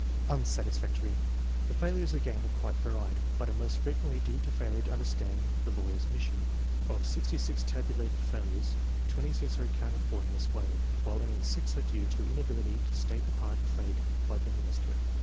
Unsatisfactory. The failures again are quite varied, but are most frequently due to failure to understand the lawyer's mission. Of 66 tabulated failures, 26 are accounted for in this way, while only 6 are due to inability to state the part played by the minister.